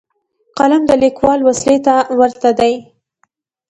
قلم د لیکوال وسلې ته ورته دی.